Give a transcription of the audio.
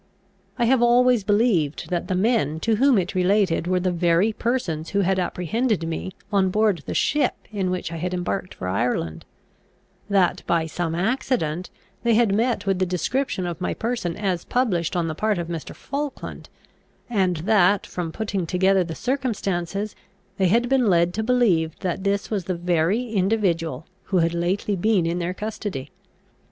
I have always believed that the men to whom it related were the very persons who had apprehended me on board the ship in which I had embarked for Ireland; that, by some accident, they had met with the description of my person as published on the part of Mr. Falkland; and that, from putting together the circumstances, they had been led to believe that this was the very individual who had lately been in their custody.